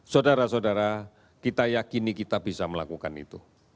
saudara saudara kita yakini kita bisa melakukan itu